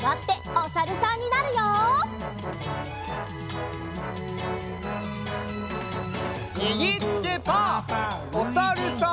おさるさん。